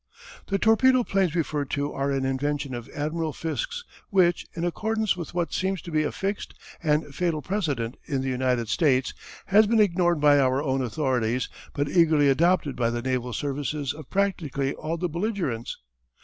The torpedo planes referred to are an invention of Admiral Fiske's which, in accordance with what seems to be a fixed and fatal precedent in the United States, has been ignored by our own authorities but eagerly adopted by the naval services of practically all the belligerents.